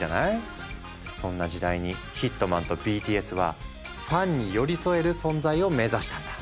そんな時代にヒットマンとＢＴＳはファンに寄り添える存在を目指したんだ。